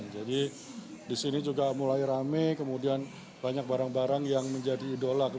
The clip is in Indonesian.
jadi di sini juga mulai rame kemudian banyak barang barang yang menjadi idola